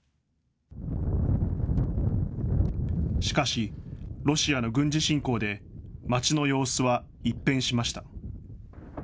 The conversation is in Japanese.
しかしロシアの軍事侵攻でまちの様子は一変しました。